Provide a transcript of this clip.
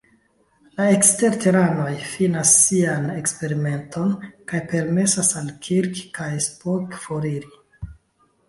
La eksterteranoj finas sian eksperimenton kaj permesas al Kirk kaj Spock foriri.